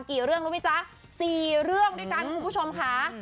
เรื่องรู้ไหมจ๊ะ๔เรื่องด้วยกันคุณผู้ชมค่ะ